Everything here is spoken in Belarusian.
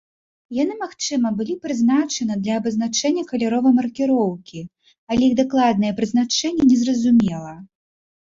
Яны, магчыма, былі прызначаныя для абазначэння каляровай маркіроўкі, але іх дакладнае прызначэнне незразумела.